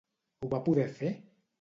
Ho va poder fer?